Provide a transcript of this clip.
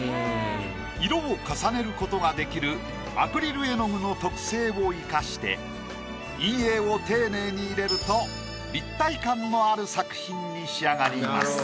色を重ねることができるアクリル絵の具の特性を生かして陰影を丁寧に入れると立体感のある作品に仕上がります。